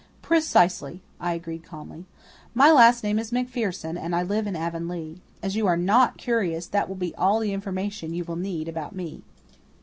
"Precisely," I agreed calmly. "My last name is MacPherson, and I live in Avonlea. As you are NOT curious, that will be all the information you will need about me."